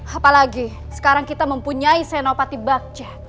apalagi sekarang kita mempunyai senopati bakce